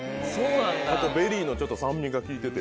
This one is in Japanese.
ここベリーの酸味が効いてて。